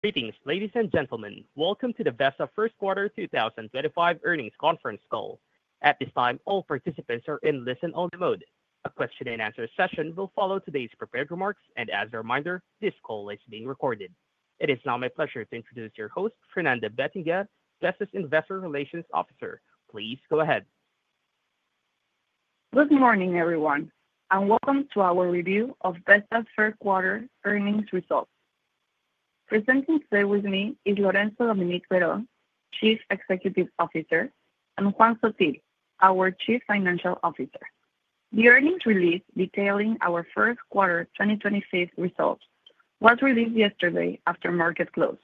Greetings, ladies and gentlemen. Welcome to the Vesta First Quarter 2025 Earnings Conference Call. At this time, all participants are in listen-only mode. A question-and-answer session will follow today's prepared remarks, and as a reminder, this call is being recorded. It is now my pleasure to introduce your host, Fernanda Bettinger, Vesta's Investor Relations Officer. Please go ahead. Good morning, everyone, and welcome to our review of Vesta Q3 earnings results. Presenting today with me is Lorenzo Dominique Berho, Chief Executive Officer, and Juan Sottil, our Chief Financial Officer. The earnings release detailing our first quarter 2025 results was released yesterday after market close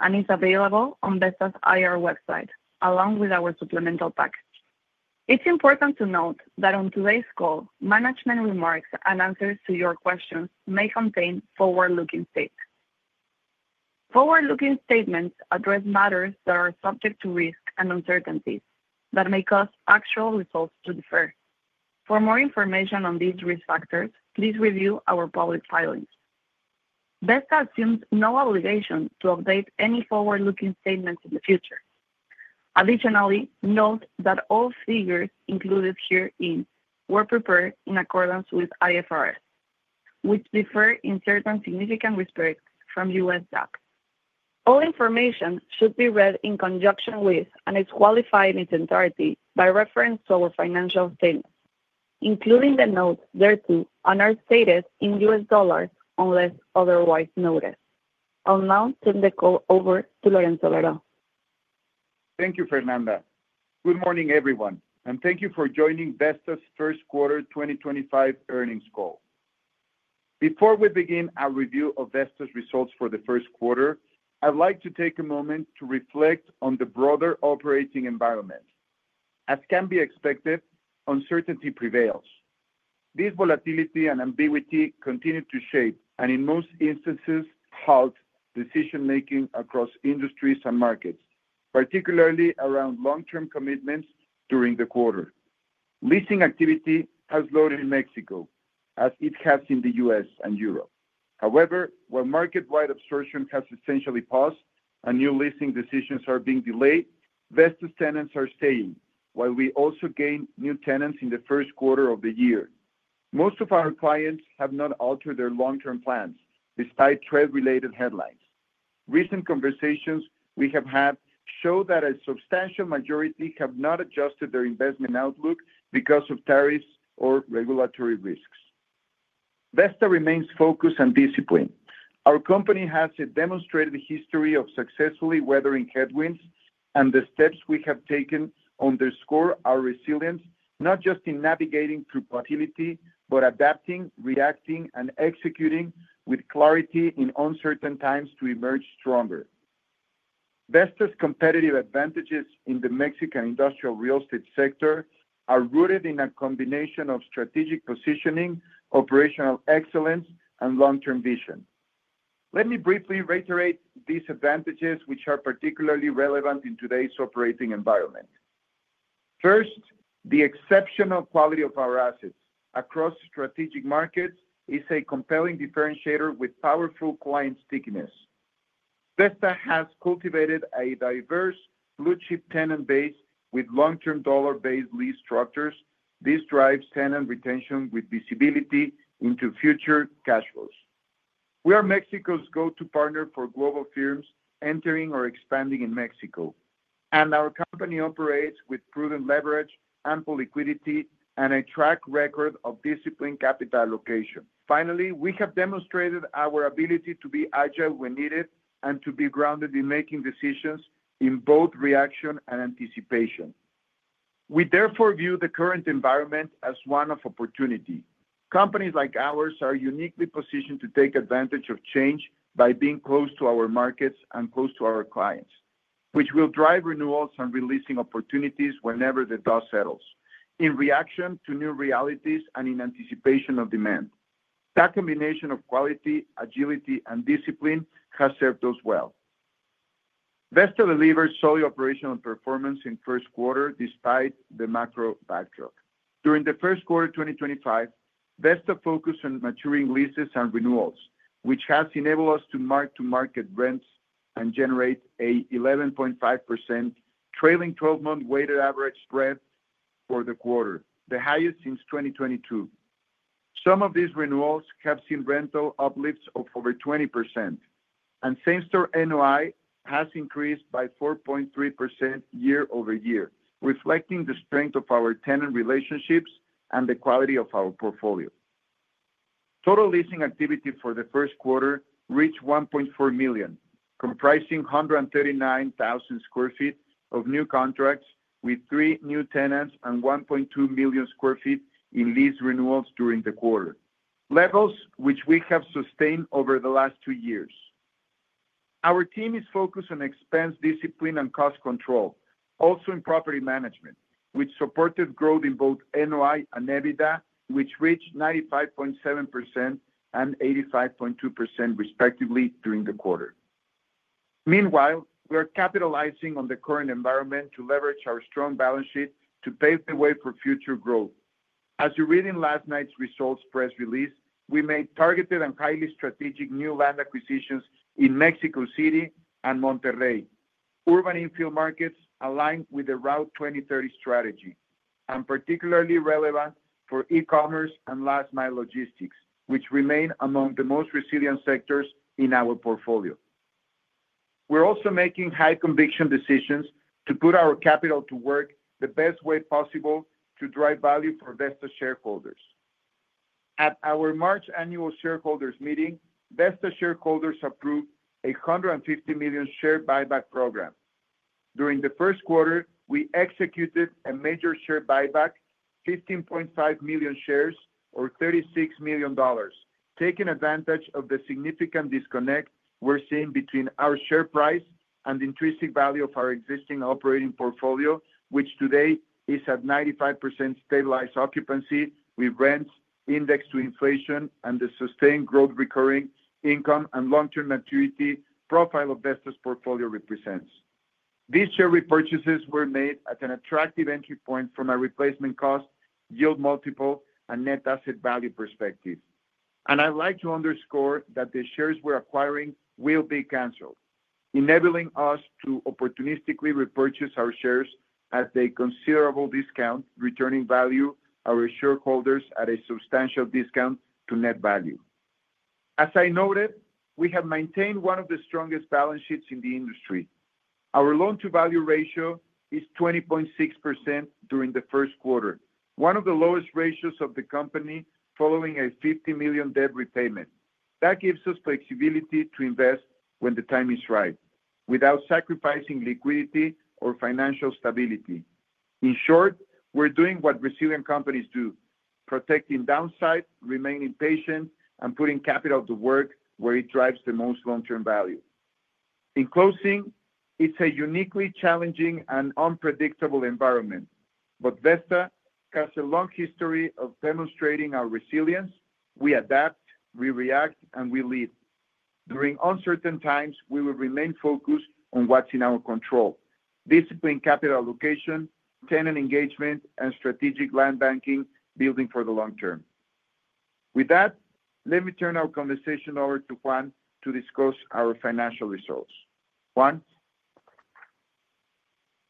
and is available on Vesta's IR website, along with our supplemental package. It's important to note that on today's call, management remarks and answers to your questions may contain forward-looking statements. Forward-looking statements address matters that are subject to risk and uncertainties that may cause actual results to differ. For more information on these risk factors, please review our public filings. Vesta assumes no obligation to update any forward-looking statements in the future. Additionally, note that all figures included herein were prepared in accordance with IFRS, which differ in certain significant respects from U.S SEC. All information should be read in conjunction with and is qualified in its entirety by reference to our financial statements, including the notes thereto and are stated in US dollar unless otherwise noted. I'll now turn the call over to Lorenzo Berho. Thank you, Fernanda. Good morning, everyone, and thank you for joining Vesta's First Quarter 2025 earnings call. Before we begin our review of Vesta's results for the first quarter, I'd like to take a moment to reflect on the broader operating environment. As can be expected, uncertainty prevails. This volatility and ambiguity continue to shape and, in most instances, halt decision-making across industries and markets, particularly around long-term commitments during the quarter. Leasing activity has slowed in Mexico, as it has in the U.S. and Europe. However, while market-wide absorption has essentially paused and new leasing decisions are being delayed, Vesta's tenants are staying, while we also gain new tenants in the first quarter of the year. Most of our clients have not altered their long-term plans, despite trade-related headlines. Recent conversations we have had show that a substantial majority have not adjusted their investment outlook because of tariffs or regulatory risks. Vesta remains focused and disciplined. Our company has a demonstrated history of successfully weathering headwinds, and the steps we have taken underscore our resilience, not just in navigating through volatility, but adapting, reacting, and executing with clarity in uncertain times to emerge stronger. Vesta's competitive advantages in the Mexican industrial real estate sector are rooted in a combination of strategic positioning, operational excellence, and long-term vision. Let me briefly reiterate these advantages, which are particularly relevant in today's operating environment. First, the exceptional quality of our assets across strategic markets is a compelling differentiator with powerful client stickiness. Vesta has cultivated a diverse, blue-chip tenant base with long-term dollar-based lease structures. This drives tenant retention with visibility into future cash flows. We are Mexico's go-to partner for global firms entering or expanding in Mexico, and our company operates with prudent leverage, ample liquidity, and a track record of disciplined capital allocation. Finally, we have demonstrated our ability to be agile when needed and to be grounded in making decisions in both reaction and anticipation. We therefore view the current environment as one of opportunity. Companies like ours are uniquely positioned to take advantage of change by being close to our markets and close to our clients, which will drive renewals and releasing opportunities whenever the dust settles, in reaction to new realities and in anticipation of demand. That combination of quality, agility, and discipline has served us well. Vesta delivered solid operational performance in first quarter despite the macro backdrop. During first quarter 2025, Vesta focused on maturing leases and renewals, which has enabled us to mark-to-market rents and generate an 11.5% trailing 12-month weighted average spread for the quarter, the highest since 2022. Some of these renewals have seen rental uplifts of over 20%, and same-store NOI has increased by 4.3% year over year, reflecting the strength of our tenant relationships and the quality of our portfolio. Total leasing activity for first quarter reached 1.4 million, comprising 139,000 of new contracts with three new tenants and 1.2 million sq ft in lease renewals during the quarter, levels which we have sustained over the last two years. Our team is focused on expense discipline and cost control, also in property management, which supported growth in both NOI and EBITDA, which reached 95.7% and 85.2%, respectively, during the quarter. Meanwhile, we are capitalizing on the current environment to leverage our strong balance sheet to pave the way for future growth. As you read in last night's results press release, we made targeted and highly strategic new land acquisitions in Mexico City and Monterrey. Urban infill markets align with the Route 2030 strategy and are particularly relevant for e-commerce and last-mile logistics, which remain among the most resilient sectors in our portfolio. We're also making high-conviction decisions to put our capital to work the best way possible to drive value for Vesta shareholders. At our March annual shareholders meeting, Vesta shareholders approved a 150 million share buyback program. During first quarter, we executed a major share buyback, 15.5 million shares, or $36 million, taking advantage of the significant disconnect we're seeing between our share price and the intrinsic value of our existing operating portfolio, which today is at 95% stabilized occupancy with rents indexed to inflation and the sustained growth recurring income and long-term maturity profile of Vesta's portfolio represents. These share repurchases were made at an attractive entry point from a replacement cost, yield multiple, and net asset value perspective. I'd like to underscore that the shares we're acquiring will be canceled, enabling us to opportunistically repurchase our shares at a considerable discount, returning value to our shareholders at a substantial discount to net value. As I noted, we have maintained one of the strongest balance sheets in the industry. Our loan-to-value ratio is 20.6% during first quarter, one of the lowest ratios of the company following a 50 million debt repayment. That gives us flexibility to invest when the time is right without sacrificing liquidity or financial stability. In short, we're doing what resilient companies do: protecting downside, remaining patient, and putting capital to work where it drives the most long-term value. In closing, it's a uniquely challenging and unpredictable environment, but Vesta has a long history of demonstrating our resilience. We adapt, we react, and we lead. During uncertain times, we will remain focused on what's in our control: disciplined capital allocation, tenant engagement, and strategic land banking building for the long term. With that, let me turn our conversation over to Juan to discuss our financial results. Juan.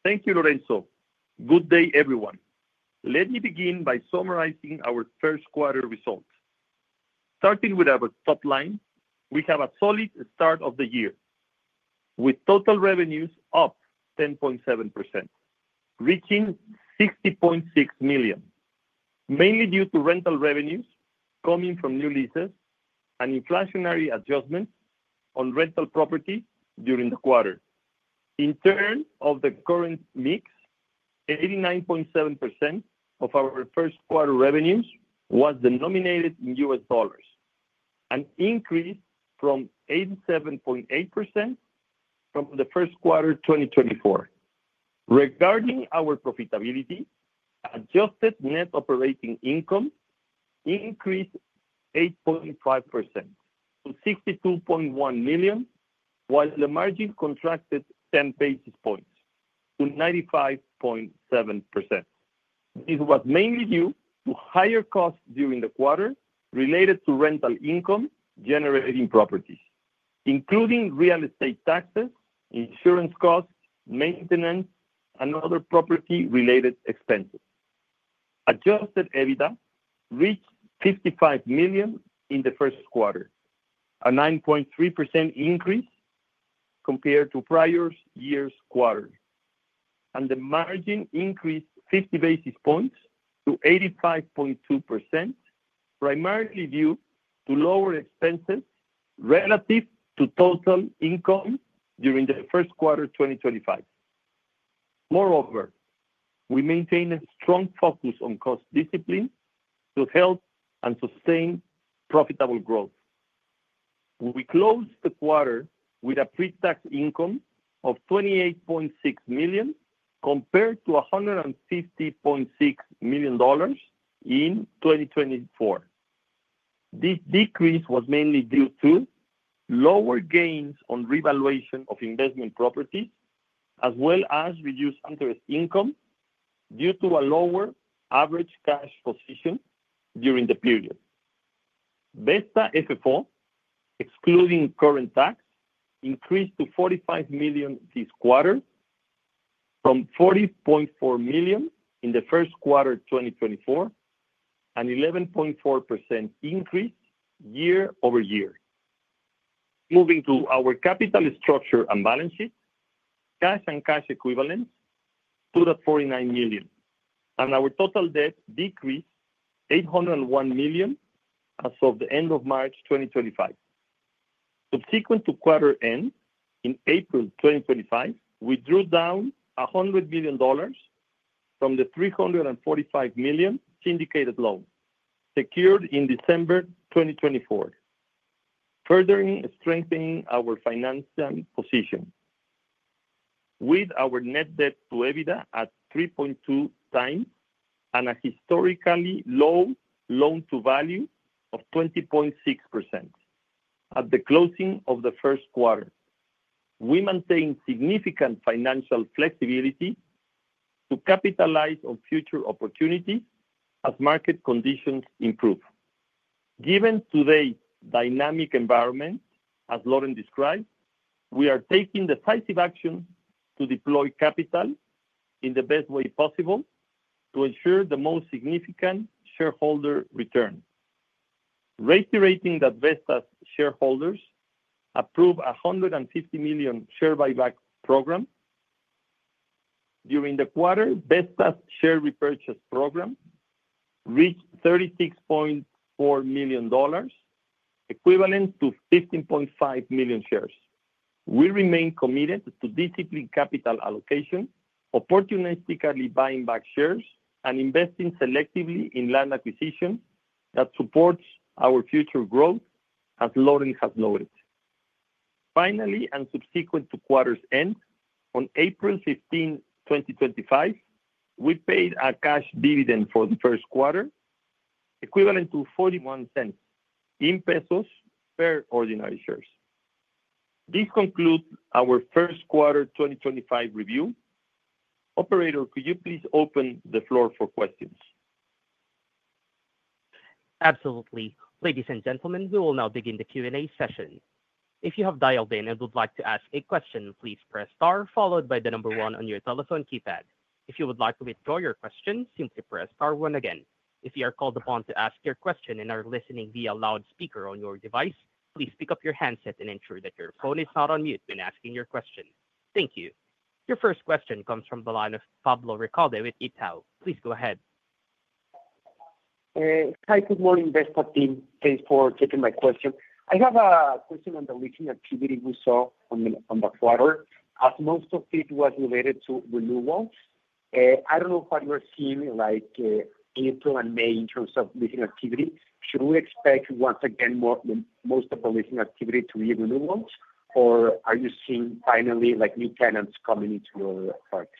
Thank you, Lorenzo. Good day, everyone. Let me begin by summarizing our first quarter results. Starting with our top line, we have a solid start of the year with total revenues up 10.7%, reaching 60.6 million, mainly due to rental revenues coming from new leases and inflationary adjustments on rental property during the quarter. In terms of the current mix, 89.7% of our first quarter revenues was denominated in US dollars, an increase from 87.8% from first quarter 2024. Regarding our profitability, adjusted net operating income increased 8.5% to 62.1 million, while the margin contracted 10 basis points to 95.7%. This was mainly due to higher costs during the quarter related to rental income generating properties, including real estate taxes, insurance costs, maintenance, and other property-related expenses. Adjusted EBITDA reached 55 million in first quarter, a 9.3% increase compared to prior year's quarter, and the margin increased 50 basis points to 85.2%, primarily due to lower expenses relative to total income during first quarter 2025. Moreover, we maintain a strong focus on cost discipline to help and sustain profitable growth. We closed the quarter with a pre-tax income of 28.6 million compared to $150.6 million in 2024. This decrease was mainly due to lower gains on revaluation of investment properties, as well as reduced interest income due to a lower average cash position during the period. Vesta FFO, excluding current tax, increased to 45 million this quarter, from 40.4 million in first quarter 2024, an 11.4% increase year over year. Moving to our capital structure and balance sheet, cash and cash equivalents stood at 49 million, and our total debt decreased 801 million as of the end of March 2025. Subsequent to quarter end in April 2025, we drew down $100 million from the 345 million syndicated loan secured in December 2024, further strengthening our financial position with our net debt to EBITDA at 3.2 times and a historically low loan-to-value of 20.6% at the closing of first quarter. We maintain significant financial flexibility to capitalize on future opportunities as market conditions improve. Given today's dynamic environment, as Loren described, we are taking decisive action to deploy capital in the best way possible to ensure the most significant shareholder return, reiterating that Vesta's shareholders approved a $50 million share buyback program. During quarter, Vesta's share repurchase program reached $36.4 million, equivalent to 15.5 million shares. We remain committed to disciplined capital allocation, opportunistically buying back shares, and investing selectively in land acquisition that supports our future growth, as Loren has noted. Finally, and subsequent to quarter end, on April 15, 2025, we paid a cash dividend for first quarter, equivalent to 0.41 per ordinary share. This concludes our first quarter 2025 review. Operator, could you please open the floor for questions? Absolutely. Ladies and gentlemen, we will now begin the Q&A session. If you have dialed in and would like to ask a question, please press star followed by the number one on your telephone keypad. If you would like to withdraw your question, simply press star again. If you are called upon to ask your question and are listening via loudspeaker on your device, please pick up your handset and ensure that your phone is not on mute when asking your question. Thank you. Your first question comes from the line of Pablo Ricalde with Itaú. Please go ahead. Hi, good morning, Vesta team. Thanks for taking my question. I have a question on the leasing activity we saw on the quarter, as most of it was related to renewals. I don't know what you're seeing in April and May in terms of leasing activity. Should we expect once again most of the leasing activity to be renewals, or are you seeing finally new tenants coming into your parks?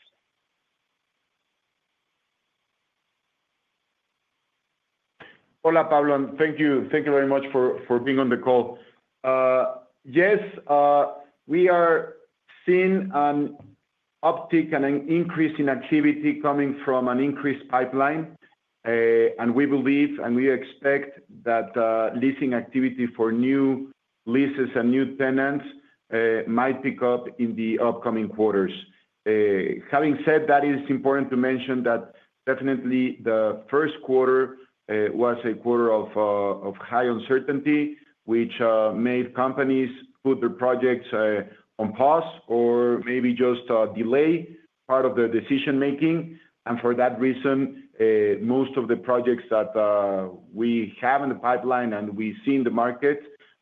Hola, Pablo, and thank you very much for being on the call. Yes, we are seeing an uptick and an increase in activity coming from an increased pipeline, and we believe and we expect that leasing activity for new leases and new tenants might pick up in the upcoming quarters. Having said that, it's important to mention that definitely first quarter was a quarter of high uncertainty, which made companies put their projects on pause or maybe just delay part of their decision-making. For that reason, most of the projects that we have in the pipeline and we see in the market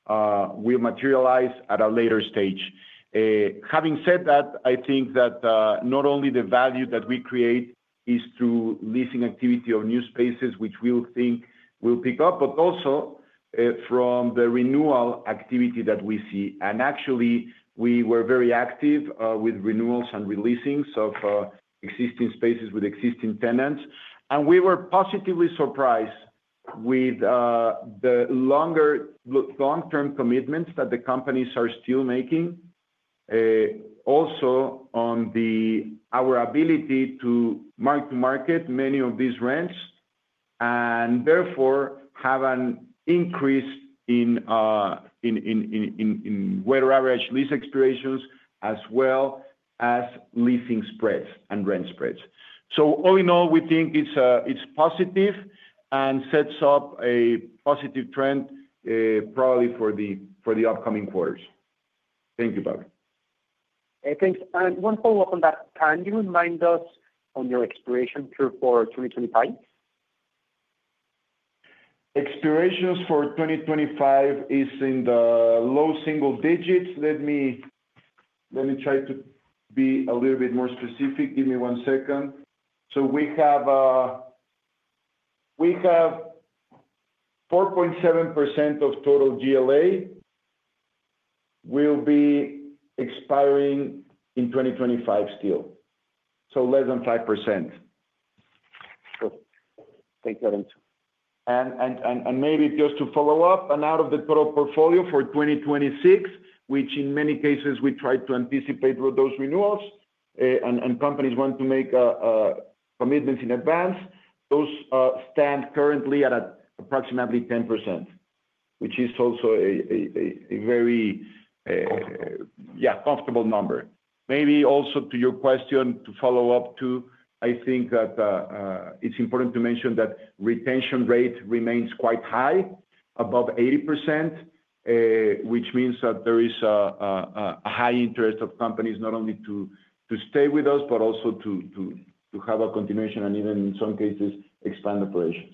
will materialize at a later stage. Having said that, I think that not only the value that we create is through leasing activity of new spaces, which we think will pick up, but also from the renewal activity that we see. Actually, we were very active with renewals and releasings of existing spaces with existing tenants, and we were positively surprised with the long-term commitments that the companies are still making, also on our ability to mark-to-market many of these rents and therefore have an increase in weighted average lease expirations as well as leasing spreads and rent spreads. All in all, we think it's positive and sets up a positive trend probably for the upcoming quarters. Thank you, Pablo. Thanks. One follow-up on that. Can you remind us on your expiration for 2025? Expirations for 2025 are in the low single digits. Let me try to be a little bit more specific. Give me one second. We have 4.7% of total GLA will be expiring in 2025 still, so less than 5%. Thanks, Lorenzo. Maybe just to follow up, out of the total portfolio for 2026, which in many cases we tried to anticipate with those renewals and companies want to make commitments in advance, those stand currently at approximately 10%, which is also a very comfortable number. Maybe also to your question, to follow up too, I think that it is important to mention that retention rate remains quite high, above 80%, which means that there is a high interest of companies not only to stay with us but also to have a continuation and even, in some cases, expand operations.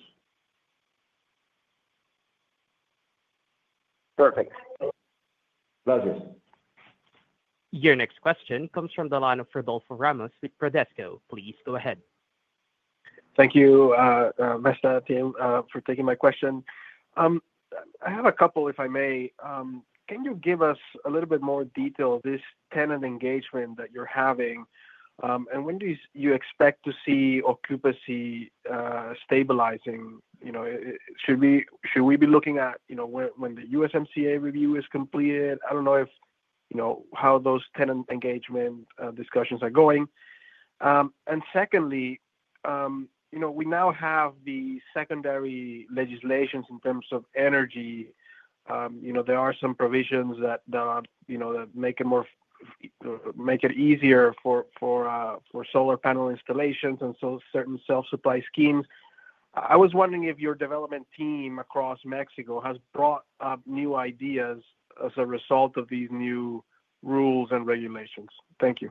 Perfect. Gracias. Your next question comes from the line of Rodolfo Ramos with Pradesco. Please go ahead. Thank you, Vesta team, for taking my question. I have a couple, if I may. Can you give us a little bit more detail of this tenant engagement that you're having, and when do you expect to see occupancy stabilizing? Should we be looking at when the USMCA review is completed? I do not know how those tenant engagement discussions are going. Secondly, we now have the secondary legislations in terms of energy. There are some provisions that make it easier for solar panel installations and certain self-supply schemes. I was wondering if your development team across Mexico has brought up new ideas as a result of these new rules and regulations. Thank you.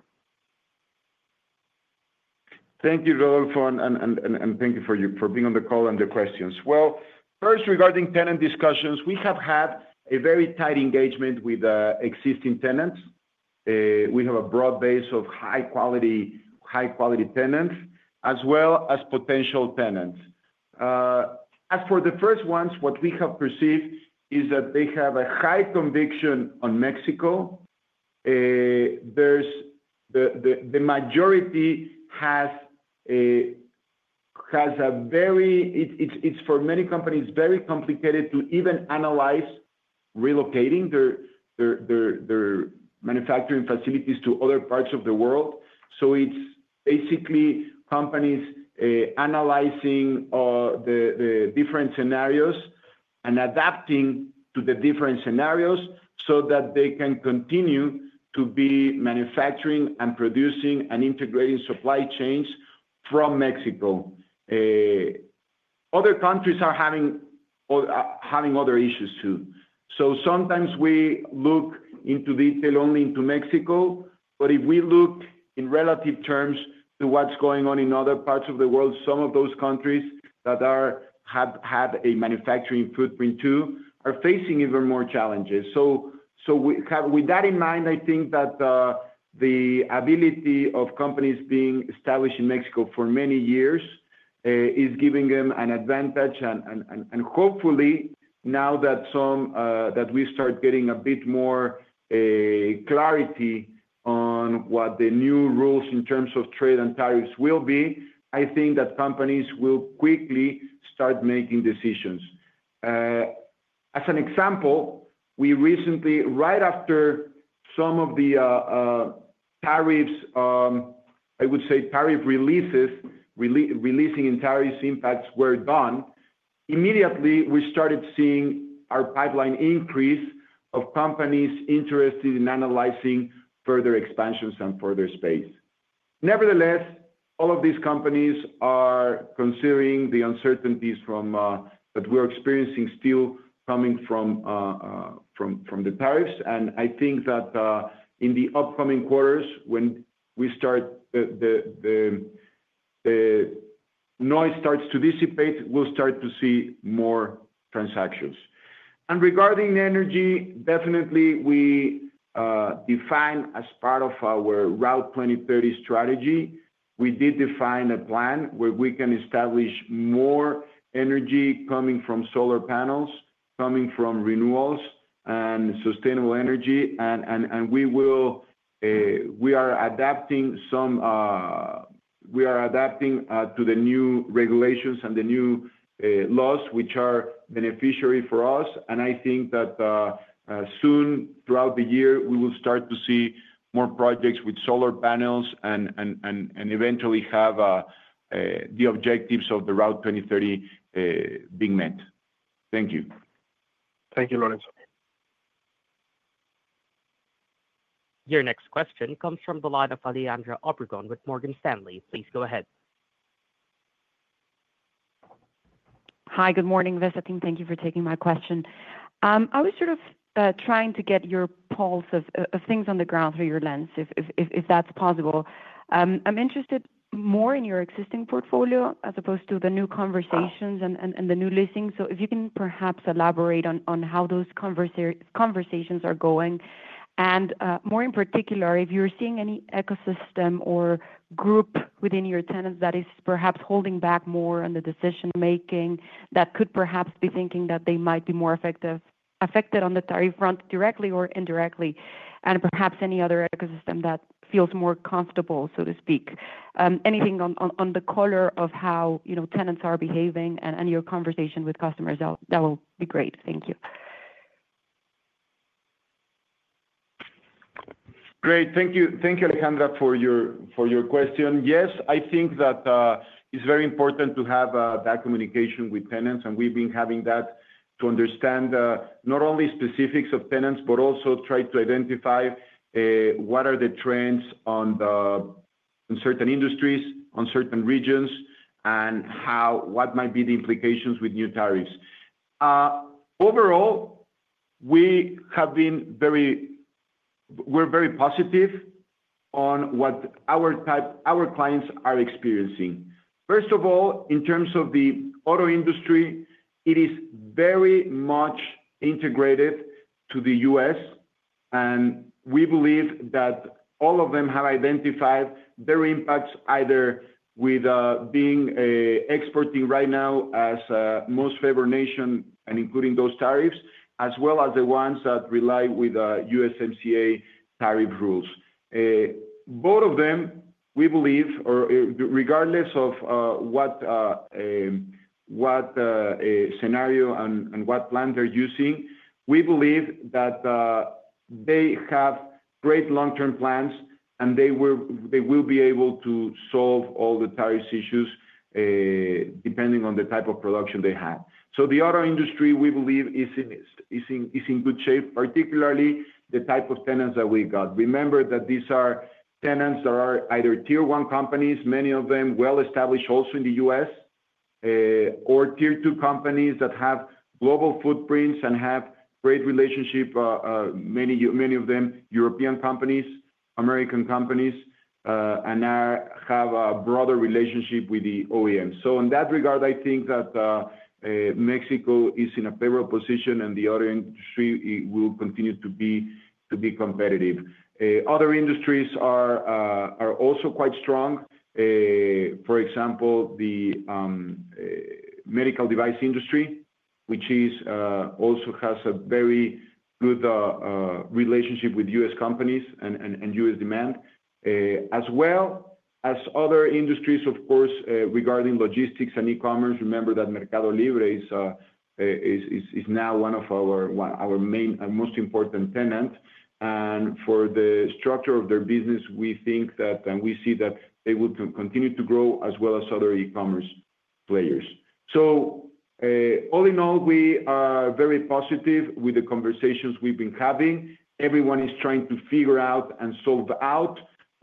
Thank you, Rodolfo, and thank you for being on the call and the questions. First, regarding tenant discussions, we have had a very tight engagement with existing tenants. We have a broad base of high-quality tenants, as well as potential tenants. As for the first ones, what we have perceived is that they have a high conviction on Mexico. The majority has a very—it is for many companies very complicated to even analyze relocating their manufacturing facilities to other parts of the world. It is basically companies analyzing the different scenarios and adapting to the different scenarios so that they can continue to be manufacturing and producing and integrating supply chains from Mexico. Other countries are having other issues too. Sometimes we look into detail only into Mexico, but if we look in relative terms to what is going on in other parts of the world, some of those countries that have had a manufacturing footprint too are facing even more challenges. With that in mind, I think that the ability of companies being established in Mexico for many years is giving them an advantage. Hopefully, now that we start getting a bit more clarity on what the new rules in terms of trade and tariffs will be, I think that companies will quickly start making decisions. As an example, right after some of the tariffs—I would say tariff releases—releasing in tariff impacts were done, immediately we started seeing our pipeline increase of companies interested in analyzing further expansions and further space. Nevertheless, all of these companies are considering the uncertainties that we're experiencing still coming from the tariffs. I think that in the upcoming quarters, when the noise starts to dissipate, we'll start to see more transactions. Regarding energy, definitely we define as part of our Route 2030 strategy, we did define a plan where we can establish more energy coming from solar panels, coming from renewals, and sustainable energy. We are adapting to the new regulations and the new laws, which are beneficiary for us. I think that soon, throughout the year, we will start to see more projects with solar panels and eventually have the objectives of the Route 2030 being met. Thank you. Thank you, Lorenzo. Your next question comes from the line of Alejandra Obregon with Morgan Stanley. Please go ahead. Hi, good morning, Vesta team. Thank you for taking my question. I was sort of trying to get your pulse of things on the ground through your lens, if that's possible. I'm interested more in your existing portfolio as opposed to the new conversations and the new listings. If you can perhaps elaborate on how those conversations are going. More in particular, if you're seeing any ecosystem or group within your tenants that is perhaps holding back more on the decision-making, that could perhaps be thinking that they might be more affected on the tariff front directly or indirectly, and perhaps any other ecosystem that feels more comfortable, so to speak. Anything on the color of how tenants are behaving and your conversation with customers, that will be great. Thank you. Great. Thank you, Alejandra, for your question. Yes, I think that it's very important to have that communication with tenants, and we've been having that to understand not only specifics of tenants, but also try to identify what are the trends in certain industries, on certain regions, and what might be the implications with new tariffs. Overall, we have been very—we're very positive on what our clients are experiencing. First of all, in terms of the auto industry, it is very much integrated to the U.S., and we believe that all of them have identified their impacts either with being exporting right now as a most favored nation and including those tariffs, as well as the ones that rely on the USMCA tariff rules. Both of them, we believe, regardless of what scenario and what plan they're using, we believe that they have great long-term plans, and they will be able to solve all the tariff issues depending on the type of production they have. The auto industry, we believe, is in good shape, particularly the type of tenants that we got. Remember that these are tenants that are either tier-one companies, many of them well-established also in the US, or tier-two companies that have global footprints and have great relationships, many of them European companies, American companies, and have a broader relationship with the OEM. In that regard, I think that Mexico is in a favorable position, and the auto industry will continue to be competitive. Other industries are also quite strong. For example, the medical device industry, which also has a very good relationship with US companies and US demand, as well as other industries, of course, regarding logistics and e-commerce. Remember that Mercado Libre is now one of our main and most important tenants. For the structure of their business, we think that and we see that they will continue to grow as well as other e-commerce players. All in all, we are very positive with the conversations we've been having. Everyone is trying to figure out and solve out.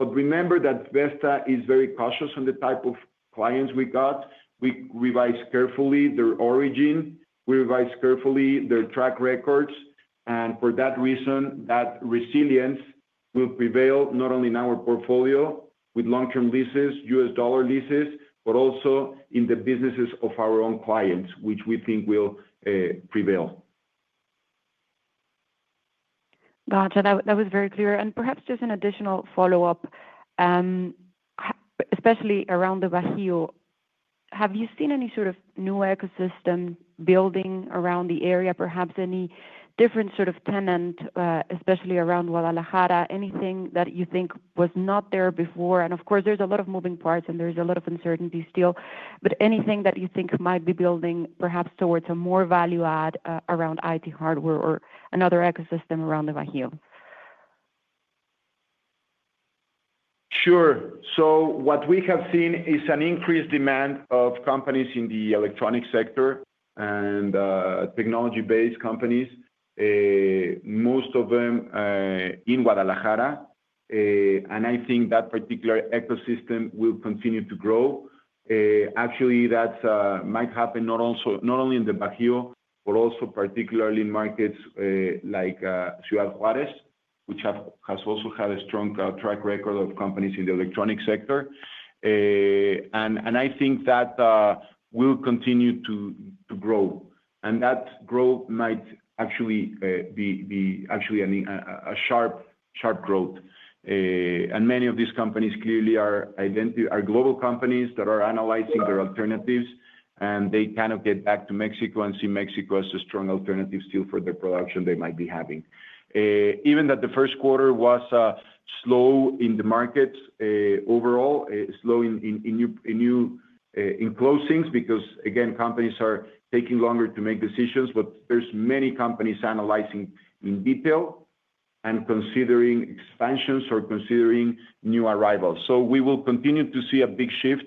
Remember that Vesta is very cautious on the type of clients we got. We revise carefully their origin. We revise carefully their track records. For that reason, that resilience will prevail not only in our portfolio with long-term leases, US dollar leases, but also in the businesses of our own clients, which we think will prevail. Gotcha. That was very clear. Perhaps just an additional follow-up, especially around the Bajío. Have you seen any sort of new ecosystem building around the area? Perhaps any different sort of tenant, especially around Guadalajara, anything that you think was not there before? Of course, there's a lot of moving parts, and there's a lot of uncertainty still. Anything that you think might be building perhaps towards a more value-add around IT hardware or another ecosystem around the Bajío? Sure. What we have seen is an increased demand of companies in the electronic sector and technology-based companies, most of them in Guadalajara. I think that particular ecosystem will continue to grow. Actually, that might happen not only in the Bajío, but also particularly in markets like Ciudad Juárez, which has also had a strong track record of companies in the electronic sector. I think that will continue to grow. That growth might actually be a sharp growth. Many of these companies clearly are global companies that are analyzing their alternatives, and they kind of get back to Mexico and see Mexico as a strong alternative still for their production they might be having. Even that the first quarter was slow in the markets overall, slow in new enclosings because, again, companies are taking longer to make decisions, but there are many companies analyzing in detail and considering expansions or considering new arrivals. We will continue to see a big shift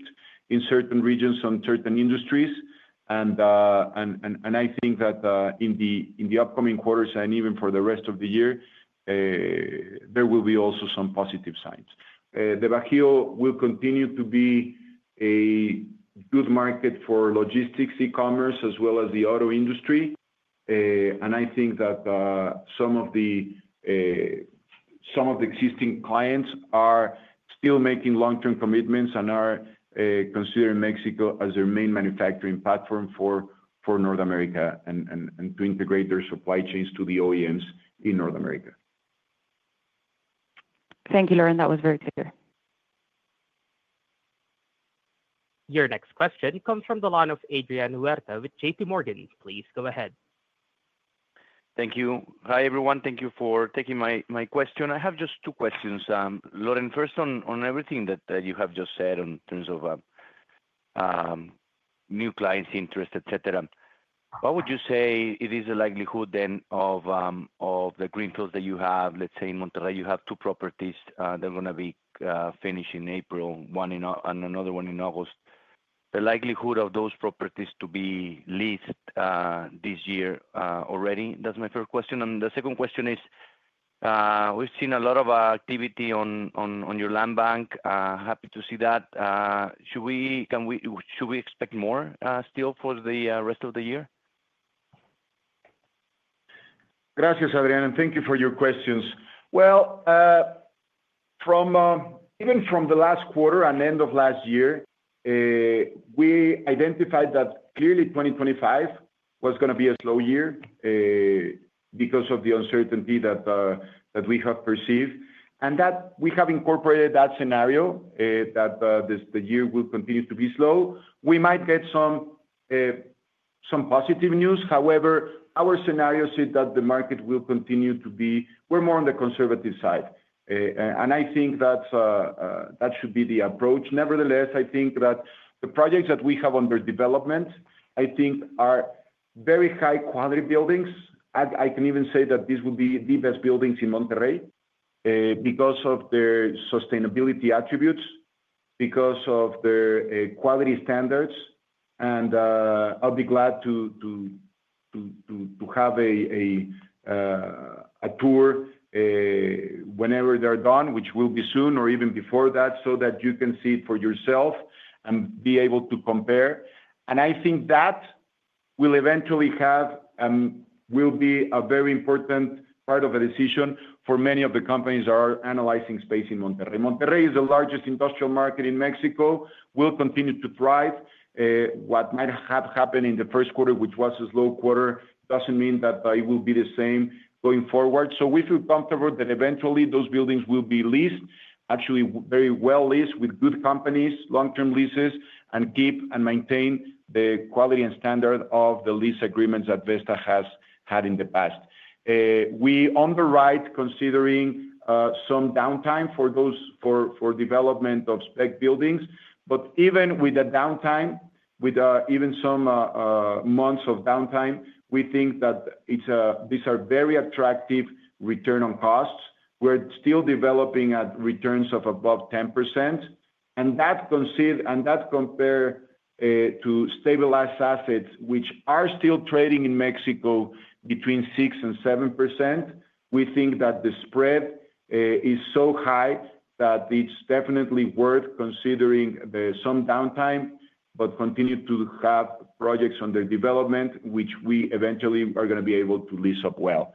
in certain regions on certain industries. I think that in the upcoming quarters and even for the rest of the year, there will be also some positive signs. The Bajío will continue to be a good market for logistics, e-commerce, as well as the auto industry. I think that some of the existing clients are still making long-term commitments and are considering Mexico as their main manufacturing platform for North America and to integrate their supply chains to the OEMs in North America. Thank you, Loren. That was very clear. Your next question comes from the line of Adrian Huerta with JPMorgan. Please go ahead. Thank you. Hi, everyone. Thank you for taking my question. I have just two questions. Loren, first, on everything that you have just said in terms of new clients' interest, etc., what would you say it is the likelihood then of the greenfields that you have? Let's say in Monterrey, you have two properties that are going to be finished in April, one and another one in August. The likelihood of those properties to be leased this year already? That's my first question. The second question is, we've seen a lot of activity on your land bank. Happy to see that. Should we expect more still for the rest of the year? Gracias, Adrian. Thank you for your questions. Even from the last quarter and end of last year, we identified that clearly 2025 was going to be a slow year because of the uncertainty that we have perceived. We have incorporated that scenario that the year will continue to be slow. We might get some positive news. However, our scenario said that the market will continue to be—we're more on the conservative side. I think that should be the approach. Nevertheless, I think that the projects that we have under development, I think, are very high-quality buildings. I can even say that these will be the best buildings in Monterrey because of their sustainability attributes, because of their quality standards. I'll be glad to have a tour whenever they're done, which will be soon or even before that, so that you can see it for yourself and be able to compare. I think that will eventually be a very important part of the decision for many of the companies that are analyzing space in Monterrey. Monterrey is the largest industrial market in Mexico. We'll continue to thrive. What might have happened in the first quarter, which was a slow quarter, doesn't mean that it will be the same going forward. We feel comfortable that eventually those buildings will be leased, actually very well leased with good companies, long-term leases, and keep and maintain the quality and standard of the lease agreements that Vesta has had in the past. We underwrite considering some downtime for development of spec buildings. Even with the downtime, with even some months of downtime, we think that these are very attractive return on costs. We're still developing at returns of above 10%. That compared to stabilized assets, which are still trading in Mexico between 6-7%, we think that the spread is so high that it's definitely worth considering some downtime but continue to have projects under development, which we eventually are going to be able to lease up well.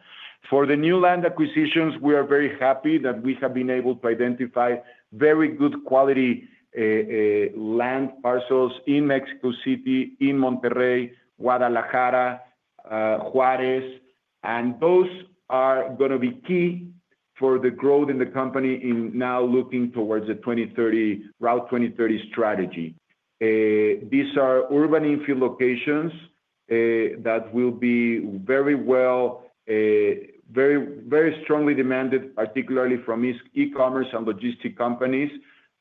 For the new land acquisitions, we are very happy that we have been able to identify very good quality land parcels in Mexico City, in Monterrey, Guadalajara, Juárez. Those are going to be key for the growth in the company in now looking towards the Route 2030 strategy. These are urban infill locations that will be very well, very strongly demanded, particularly from e-commerce and logistic companies.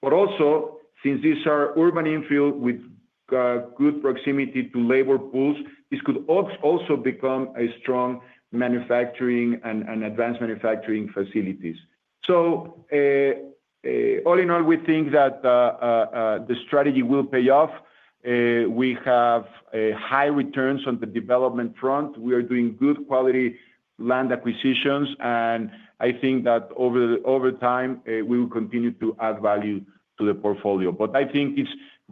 Also, since these are urban infill with good proximity to labor pools, this could also become a strong manufacturing and advanced manufacturing facilities. All in all, we think that the strategy will pay off. We have high returns on the development front. We are doing good quality land acquisitions. I think that over time, we will continue to add value to the portfolio. I think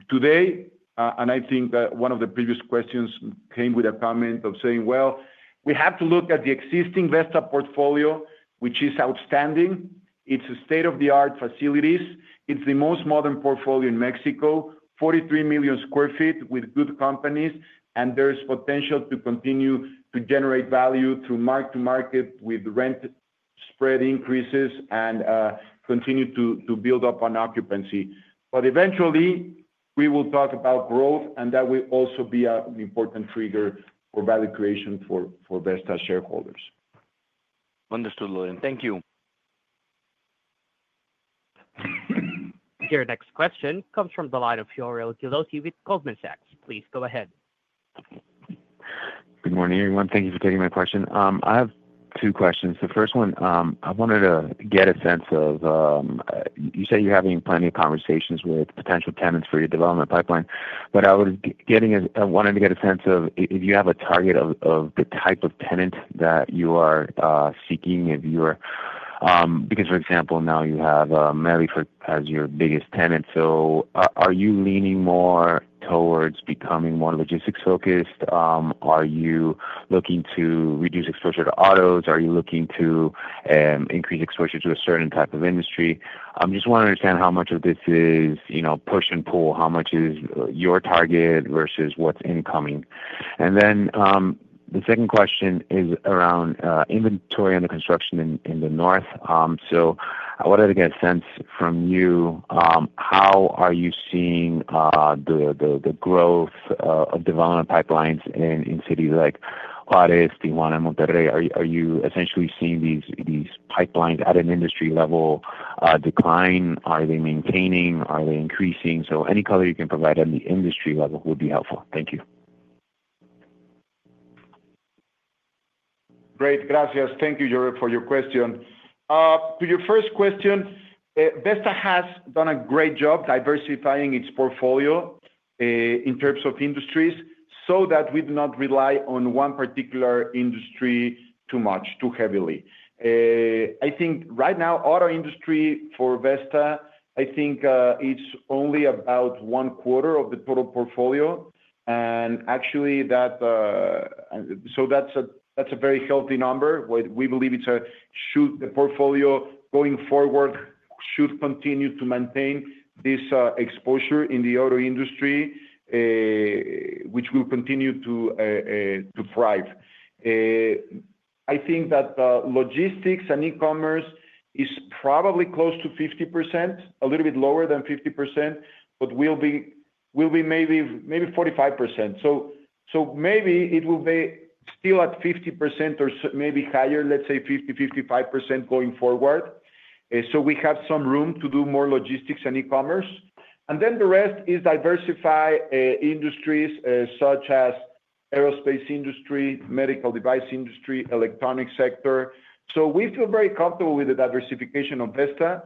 today, and I think one of the previous questions came with a comment of saying, "We have to look at the existing Vesta portfolio, which is outstanding. It's state-of-the-art facilities. It's the most modern portfolio in Mexico, 43 million sq ft with good companies. There's potential to continue to generate value through mark-to-market with rent spread increases and continue to build up on occupancy." Eventually, we will talk about growth, and that will also be an important trigger for value creation for Vesta shareholders. Understood, Loren. Thank you. Your next question comes from the line of Jorel Guilloty with Goldman Sachs. Please go ahead. Good morning, everyone. Thank you for taking my question. I have two questions. The first one, I wanted to get a sense of you said you're having plenty of conversations with potential tenants for your development pipeline. I wanted to get a sense of if you have a target of the type of tenant that you are seeking, if you are, because, for example, now you have Mercado Libre as your biggest tenant. Are you leaning more towards becoming more logistics-focused? Are you looking to reduce exposure to autos? Are you looking to increase exposure to a certain type of industry? I just want to understand how much of this is push and pull, how much is your target versus what's incoming. The second question is around inventory under construction in the north. I wanted to get a sense from you, how are you seeing the growth of development pipelines in cities like Juárez, Tijuana, Monterrey? Are you essentially seeing these pipelines at an industry-level decline? Are they maintaining? Are they increasing? Any color you can provide on the industry level would be helpful. Thank you. Great. Gracias. Thank you, Jorel, for your question. To your first question, Vesta has done a great job diversifying its portfolio in terms of industries so that we do not rely on one particular industry too much, too heavily. I think right now, auto industry for Vesta, I think it's only about one quarter of the total portfolio. Actually, that's a very healthy number. We believe the portfolio going forward should continue to maintain this exposure in the auto industry, which will continue to thrive. I think that logistics and e-commerce is probably close to 50%, a little bit lower than 50%, but will be maybe 45%. It will be still at 50% or maybe higher, let's say 50-55% going forward. We have some room to do more logistics and e-commerce. The rest is diversify industries such as aerospace industry, medical device industry, electronic sector. We feel very comfortable with the diversification of Vesta.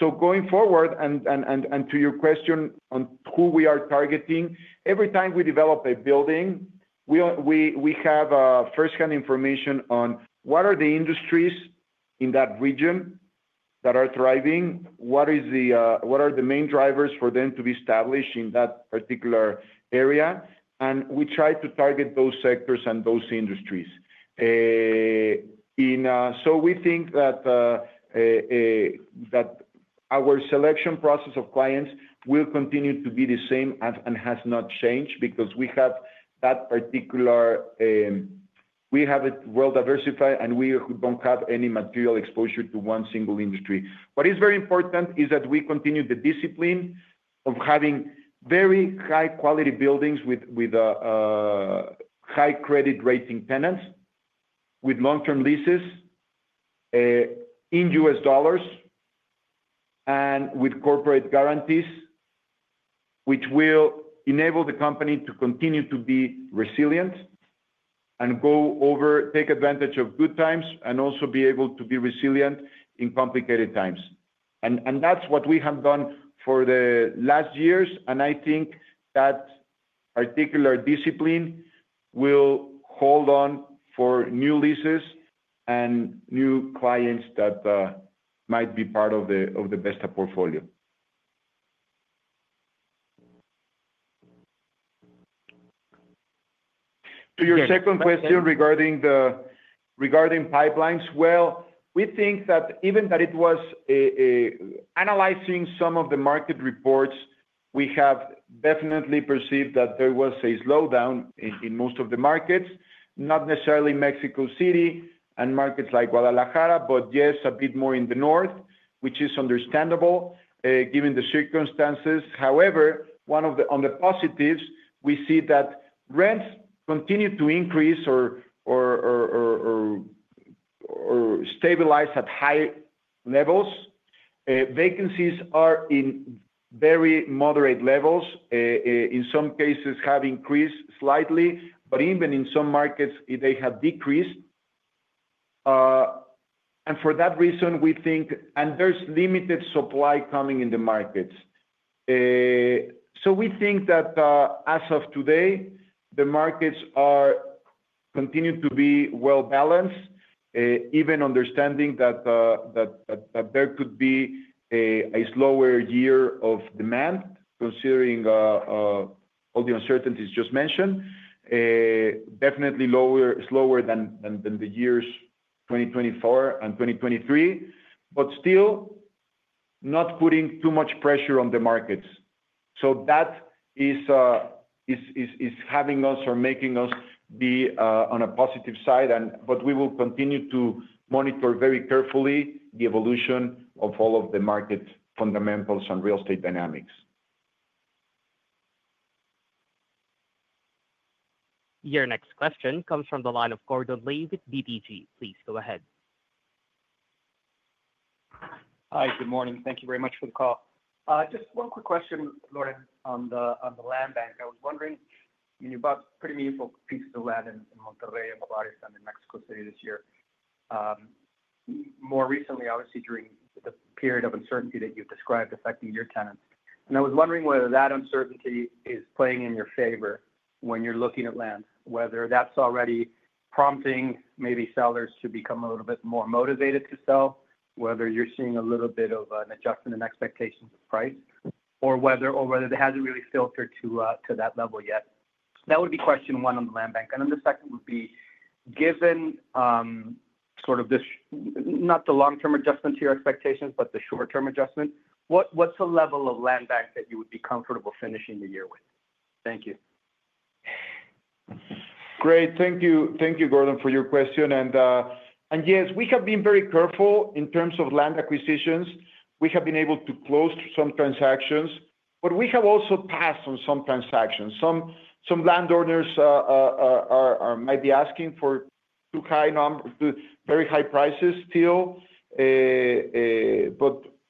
Going forward, and to your question on who we are targeting, every time we develop a building, we have first-hand information on what are the industries in that region that are thriving, what are the main drivers for them to be established in that particular area. We try to target those sectors and those industries. We think that our selection process of clients will continue to be the same and has not changed because we have that particular, we have it well diversified, and we do not have any material exposure to one single industry. What is very important is that we continue the discipline of having very high-quality buildings with high credit-rating tenants, with long-term leases in US dollars, and with corporate guarantees, which will enable the company to continue to be resilient and take advantage of good times and also be able to be resilient in complicated times. That is what we have done for the last years. I think that particular discipline will hold on for new leases and new clients that might be part of the Vesta portfolio. To your second question regarding pipelines, we think that even that it was analyzing some of the market reports, we have definitely perceived that there was a slowdown in most of the markets, not necessarily Mexico City and markets like Guadalajara, but yes, a bit more in the north, which is understandable given the circumstances. However, on the positives, we see that rents continue to increase or stabilize at high levels. Vacancies are in very moderate levels. In some cases, have increased slightly, but even in some markets, they have decreased. For that reason, we think, and there's limited supply coming in the markets. We think that as of today, the markets continue to be well balanced, even understanding that there could be a slower year of demand, considering all the uncertainties just mentioned, definitely slower than the years 2024 and 2023, but still not putting too much pressure on the markets. That is having us or making us be on a positive side. We will continue to monitor very carefully the evolution of all of the market fundamentals and real estate dynamics. Your next question comes from the line of Gordon Lee with BTG. Please go ahead. Hi, good morning. Thank you very much for the call. Just one quick question, Loren, on the land bank. I was wondering, you bought pretty meaningful pieces of land in Monterrey and Guadalajara and in Mexico City this year, more recently, obviously, during the period of uncertainty that you've described affecting your tenants. I was wondering whether that uncertainty is playing in your favor when you're looking at land, whether that's already prompting maybe sellers to become a little bit more motivated to sell, whether you're seeing a little bit of an adjustment in expectations of price, or whether it hasn't really filtered to that level yet. That would be question one on the land bank. The second would be, given sort of this not the long-term adjustment to your expectations, but the short-term adjustment, what's the level of land bank that you would be comfortable finishing the year with? Thank you. Great. Thank you, Gordon, for your question. Yes, we have been very careful in terms of land acquisitions. We have been able to close some transactions, but we have also passed on some transactions. Some land owners might be asking for very high prices still.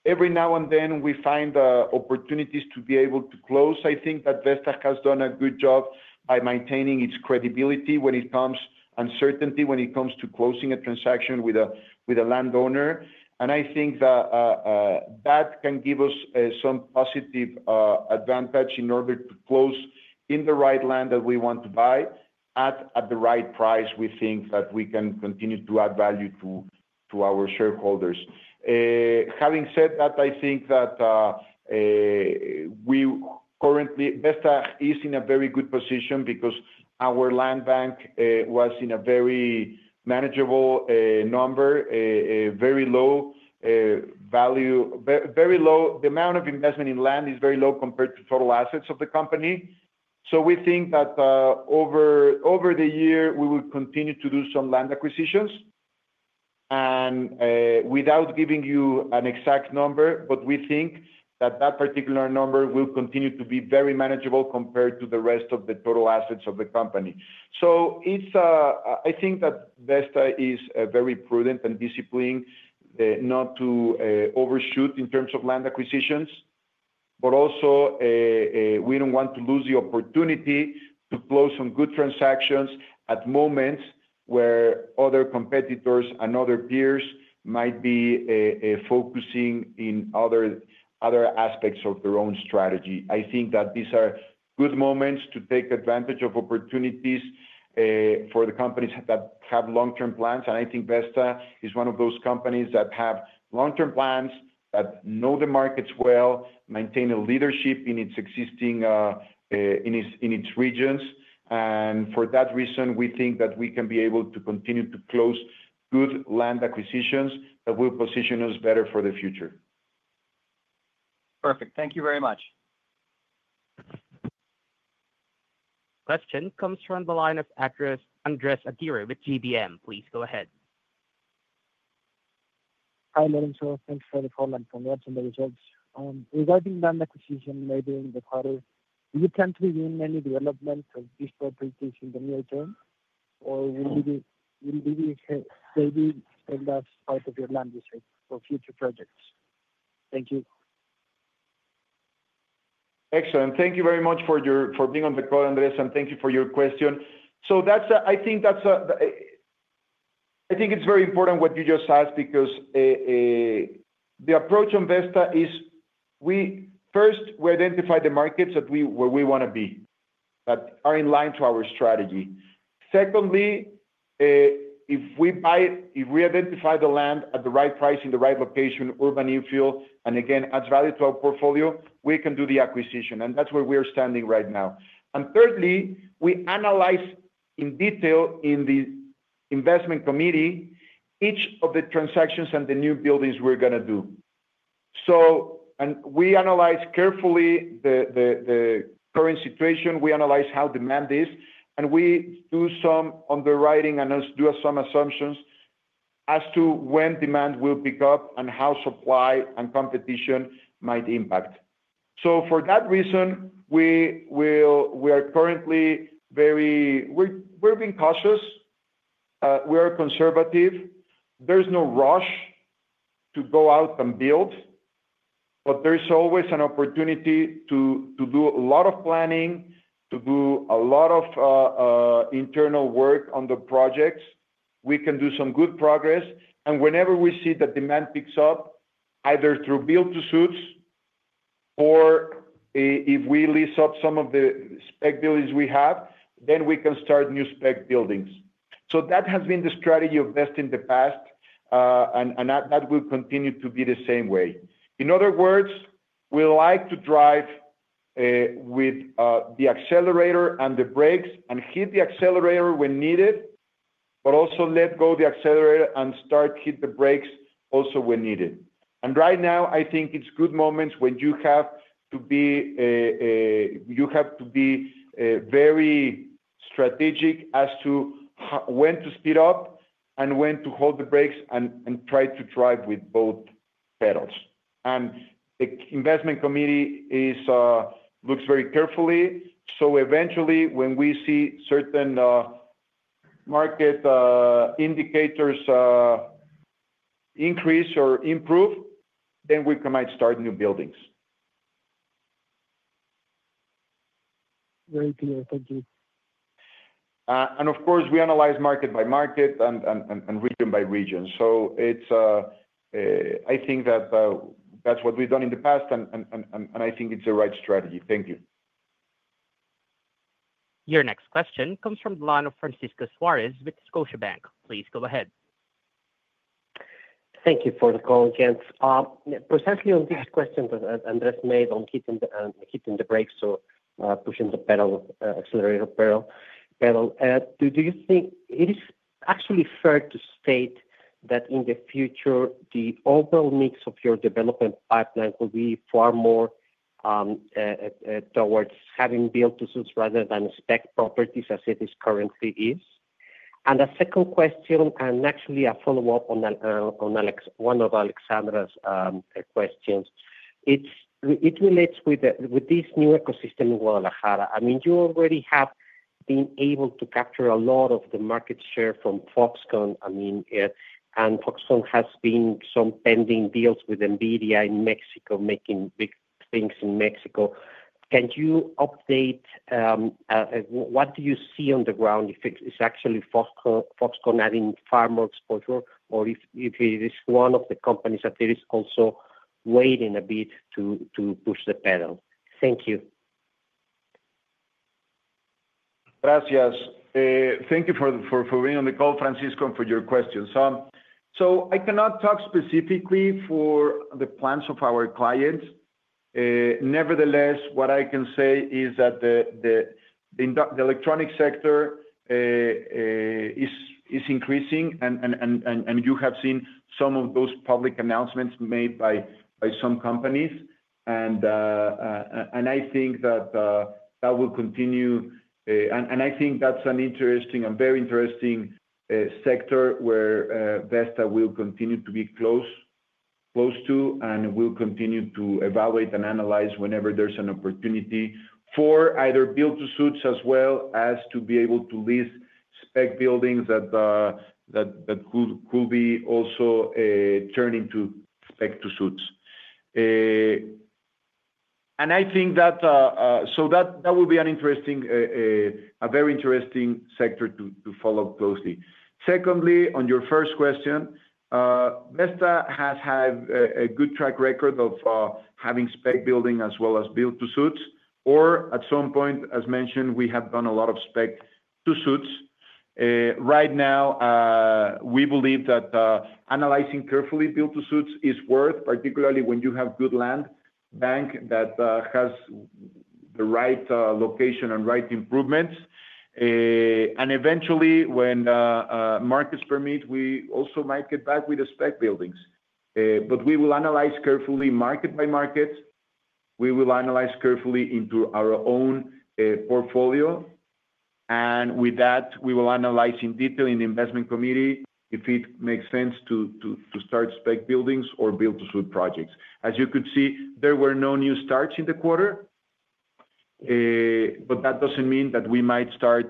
Every now and then, we find opportunities to be able to close. I think that Vesta has done a good job by maintaining its credibility when it comes to uncertainty, when it comes to closing a transaction with a land owner. I think that that can give us some positive advantage in order to close in the right land that we want to buy at the right price. We think that we can continue to add value to our shareholders. Having said that, I think that currently, Vesta is in a very good position because our land bank was in a very manageable number, very low value, very low. The amount of investment in land is very low compared to total assets of the company. We think that over the year, we will continue to do some land acquisitions. Without giving you an exact number, we think that that particular number will continue to be very manageable compared to the rest of the total assets of the company. I think that Vesta is very prudent and disciplined not to overshoot in terms of land acquisitions. Also, we do not want to lose the opportunity to close some good transactions at moments where other competitors and other peers might be focusing in other aspects of their own strategy. I think that these are good moments to take advantage of opportunities for the companies that have long-term plans. I think Vesta is one of those companies that have long-term plans, that know the markets well, maintain a leadership in its existing regions. For that reason, we think that we can be able to continue to close good land acquisitions that will position us better for the future. Perfect. Thank you very much. Question comes from the line of Andres Aguirre with GBM. Please go ahead. Hi, Lorenzo. Thanks for the call. I'm from Watson Resorts. Regarding land acquisition enabling the carter, will you plan to begin any development of these properties in the near term, or will you maybe spend that part of your land you said for future projects? Thank you. Excellent. Thank you very much for being on the call, Andres, and thank you for your question. I think it's very important what you just asked because the approach on Vesta is, first, we identify the markets that we want to be that are in line to our strategy. Secondly, if we identify the land at the right price in the right location, urban infill, and again, adds value to our portfolio, we can do the acquisition. That is where we are standing right now. Thirdly, we analyze in detail in the investment committee each of the transactions and the new buildings we are going to do. We analyze carefully the current situation. We analyze how demand is, and we do some underwriting and do some assumptions as to when demand will pick up and how supply and competition might impact. For that reason, we are currently very cautious. We are conservative. There is no rush to go out and build, but there is always an opportunity to do a lot of planning, to do a lot of internal work on the projects. We can do some good progress. Whenever we see that demand picks up, either through build-to-suits or if we lease up some of the spec buildings we have, we can start new spec buildings. That has been the strategy of Vesta in the past, and that will continue to be the same way. In other words, we like to drive with the accelerator and the brakes and hit the accelerator when needed, but also let go of the accelerator and start to hit the brakes also when needed. Right now, I think it's good moments when you have to be very strategic as to when to speed up and when to hold the brakes and try to drive with both pedals. The investment committee looks very carefully. Eventually, when we see certain market indicators increase or improve, we might start new buildings. Very clear. Thank you. Of course, we analyze market by market and region by region. I think that that's what we've done in the past, and I think it's the right strategy. Thank you. Your next question comes from the line of Francisco Suarez with Scotiabank. Please go ahead. Thank you for the call, again. Precisely on this question that Andreas made on hitting the brakes or pushing the accelerator pedal, do you think it is actually fair to state that in the future, the overall mix of your development pipeline will be far more towards having build-to-suits rather than spec properties as it currently is? A second question, and actually a follow-up on one of Alejandra's questions, it relates with this new ecosystem in Guadalajara. I mean, you already have been able to capture a lot of the market share from Foxconn. I mean, and Foxconn has been some pending deals with NVIDIA in Mexico, making big things in Mexico. Can you update what do you see on the ground if it's actually Foxconn adding far more exposure, or if it is one of the companies that is also waiting a bit to push the pedal? Thank you. Gracias. Thank you for being on the call, Francisco, and for your questions. I cannot talk specifically for the plans of our clients. Nevertheless, what I can say is that the electronic sector is increasing, and you have seen some of those public announcements made by some companies. I think that that will continue. I think that's an interesting and very interesting sector where Vesta will continue to be close to and will continue to evaluate and analyze whenever there's an opportunity for either build-to-suits as well as to be able to lease spec buildings that could be also turned into spec-to-suits. I think that will be an interesting, a very interesting sector to follow closely. Secondly, on your first question, Vesta has had a good track record of having spec building as well as build-to-suits. At some point, as mentioned, we have done a lot of spec-to-suits. Right now, we believe that analyzing carefully build-to-suits is worth, particularly when you have good land bank that has the right location and right improvements. Eventually, when markets permit, we also might get back with the spec buildings. We will analyze carefully market by market. We will analyze carefully into our own portfolio. With that, we will analyze in detail in the investment committee if it makes sense to start spec buildings or build-to-suit projects. As you could see, there were no new starts in the quarter, but that does not mean that we might start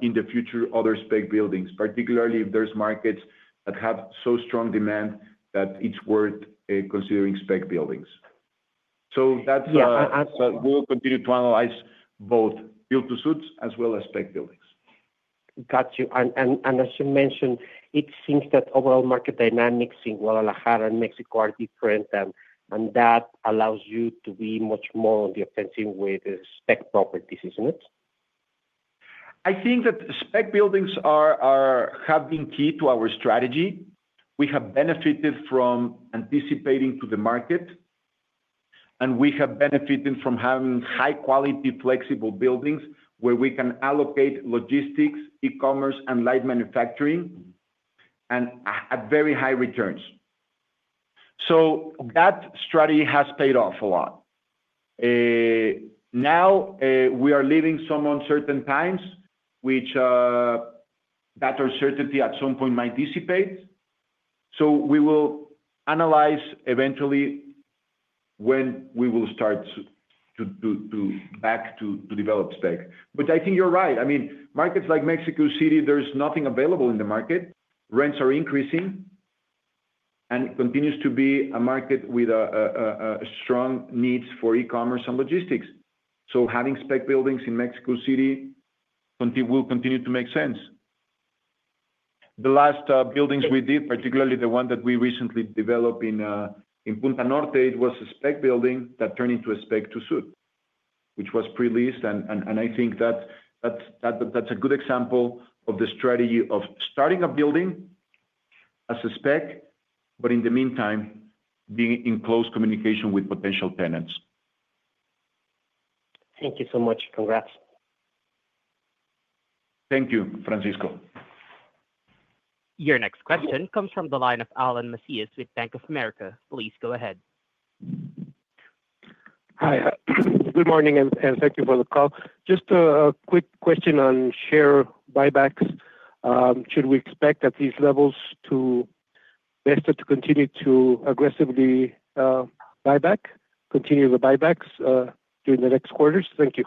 in the future other spec buildings, particularly if there are markets that have so strong demand that it is worth considering spec buildings. That is, we will continue to analyze both build-to-suits as well as spec buildings. Got you. As you mentioned, it seems that overall market dynamics in Guadalajara and Mexico are different, and that allows you to be much more on the offensive with spec properties, is not it? I think that spec buildings have been key to our strategy. We have benefited from anticipating to the market, and we have benefited from having high-quality, flexible buildings where we can allocate logistics, e-commerce, and light manufacturing at very high returns. That strategy has paid off a lot. Now, we are living some uncertain times, which that uncertainty at some point might dissipate. We will analyze eventually when we will start to back to develop spec. I think you're right. I mean, markets like Mexico City, there's nothing available in the market. Rents are increasing, and it continues to be a market with strong needs for e-commerce and logistics. Having spec buildings in Mexico City will continue to make sense. The last buildings we did, particularly the one that we recently developed in Punta Norte, it was a spec building that turned into a spec-to-suit, which was pre-leased. I think that's a good example of the strategy of starting a building as a spec, but in the meantime, being in close communication with potential tenants. Thank you so much. Congrats. Thank you, Francisco. Your next question comes from the line of Alan Macías with Bank of America. Please go ahead. Hi. Good morning, and thank you for the call. Just a quick question on share buybacks. Should we expect at these levels to Vesta to continue to aggressively buy back, continue the buybacks during the next quarters? Thank you.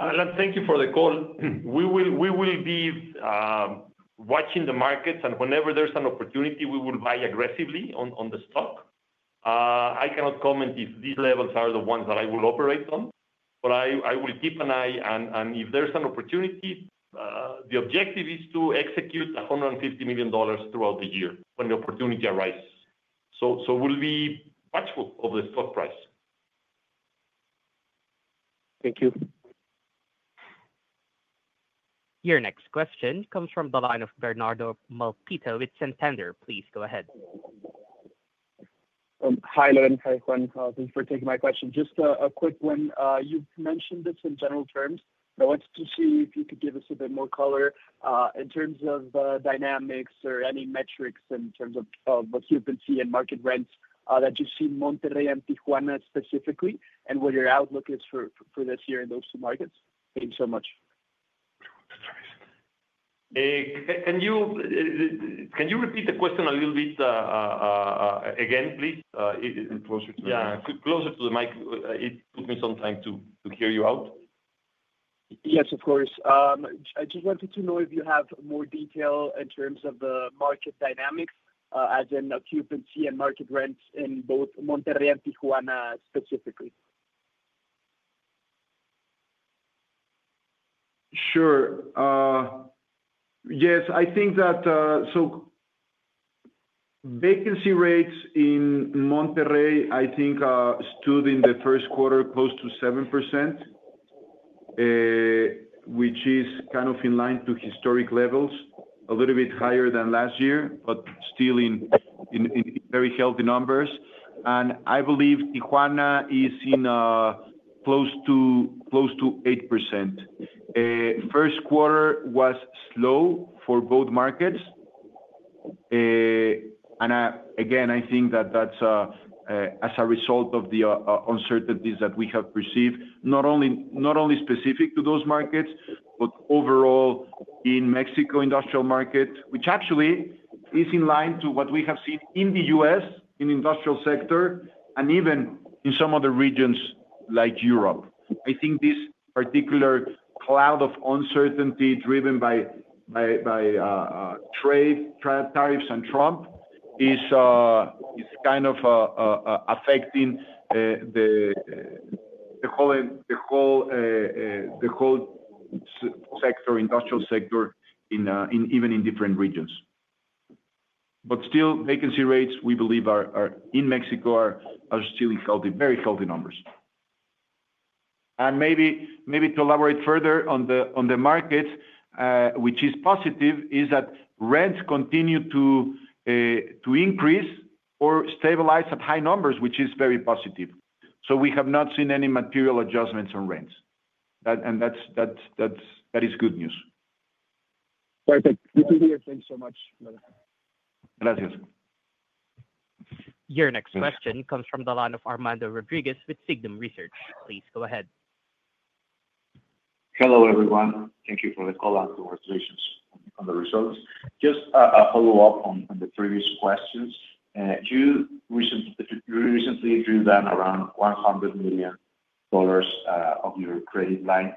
Alan, thank you for the call. We will be watching the markets, and whenever there's an opportunity, we will buy aggressively on the stock. I cannot comment if these levels are the ones that I will operate on, but I will keep an eye. If there's an opportunity, the objective is to execute $150 million throughout the year when the opportunity arises. We'll be watchful of the stock price. Thank you. Your next question comes from the line of Bernardo Malpica with Santander. Please go ahead. Hi, Lorenzo. Thanks for taking my question. Just a quick one. You've mentioned this in general terms, but I wanted to see if you could give us a bit more color in terms of dynamics or any metrics in terms of occupancy and market rents that you see in Monterrey and Tijuana specifically, and what your outlook is for this year in those two markets. Thank you so much. That's right. Can you repeat the question a little bit again, please? Closer to the mic. It took me some time to hear you out. Yes, of course. I just wanted to know if you have more detail in terms of the market dynamics as in occupancy and market rents in both Monterrey and Tijuana specifically. Sure. Yes. I think that vacancy rates in Monterrey, I think, stood in the first quarter close to 7%, which is kind of in line to historic levels, a little bit higher than last year, but still in very healthy numbers. I believe Tijuana is close to 8%. First quarter was slow for both markets. I think that is as a result of the uncertainties that we have perceived, not only specific to those markets, but overall in Mexico industrial market, which actually is in line to what we have seen in the U.S. in the industrial sector and even in some other regions like Europe. I think this particular cloud of uncertainty driven by trade tariffs and Trump is kind of affecting the whole sector, industrial sector, even in different regions. Still, vacancy rates, we believe, in Mexico are still very healthy numbers. Maybe to elaborate further on the markets, which is positive, is that rents continue to increase or stabilize at high numbers, which is very positive. We have not seen any material adjustments on rents. That is good news. Perfect. Thank you so much. Gracias. Your next question comes from the line of Armando Rodriguez with Signum Research. Please go ahead. Hello, everyone. Thank you for the call and congratulations on the results. Just a follow-up on the previous questions. You recently drew down around 100 million of your credit line.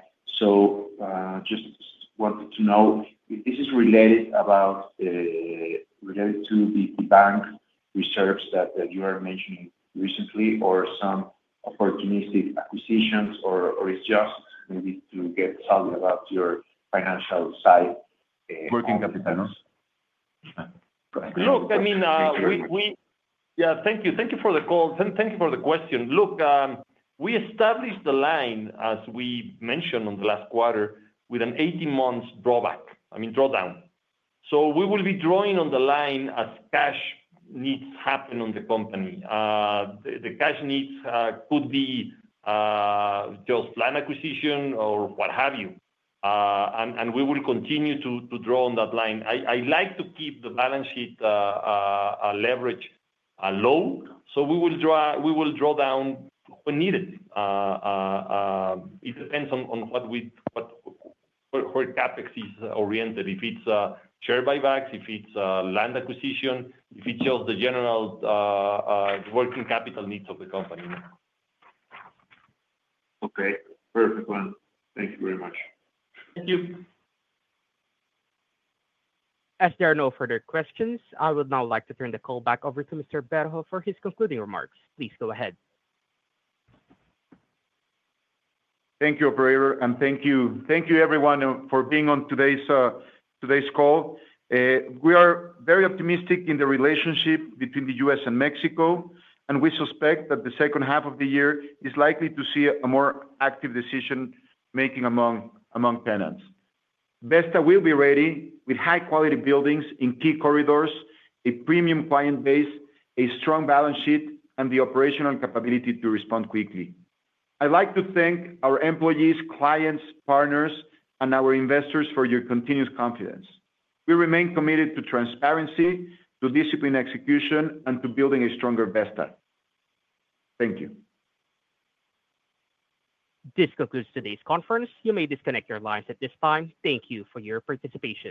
Just wanted to know if this is related to the bank reserves that you are mentioning recently or some opportunistic acquisitions, or it's just maybe to get something about your financial side. Working capitals. Look, I mean, yeah, thank you. Thank you for the call. Thank you for the question. Look, we established the line, as we mentioned on the last quarter, with an 18-month drawdown. We will be drawing on the line as cash needs happen on the company. The cash needs could be just land acquisition or what have you. We will continue to draw on that line. I like to keep the balance sheet leverage low, so we will draw down when needed. It depends on what our CapEx is oriented, if it's share buybacks, if it's land acquisition, if it's just the general working capital needs of the company. Okay. Perfect. Thank you very much. Thank you. As there are no further questions, I would now like to turn the call back over to Mr. Berho for his concluding remarks. Please go ahead. Thank you, Operator. Thank you, everyone, for being on today's call. We are very optimistic in the relationship between the U.S. and Mexico, and we suspect that the second half of the year is likely to see a more active decision-making among tenants. Vesta will be ready with high-quality buildings in key corridors, a premium client base, a strong balance sheet, and the operational capability to respond quickly. I'd like to thank our employees, clients, partners, and our investors for your continuous confidence. We remain committed to transparency, to disciplined execution, and to building a stronger Vesta. Thank you. This concludes today's conference. You may disconnect your lines at this time. Thank you for your participation.